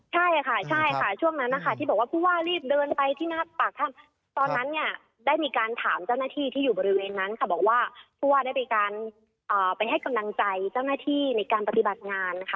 ใช่ค่ะใช่ค่ะช่วงนั้นนะคะที่บอกว่าผู้ว่ารีบเดินไปที่หน้าปากถ้ำตอนนั้นเนี่ยได้มีการถามเจ้าหน้าที่ที่อยู่บริเวณนั้นค่ะบอกว่าผู้ว่าได้มีการไปให้กำลังใจเจ้าหน้าที่ในการปฏิบัติงานนะคะ